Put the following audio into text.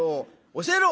教えろ！」。